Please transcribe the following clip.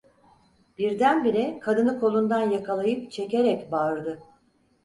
Birdenbire kadını kolundan yakalayıp çekerek bağırdı: